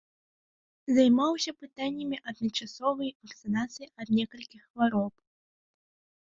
Займаўся пытаннямі адначасовай вакцынацыі ад некалькіх хвароб.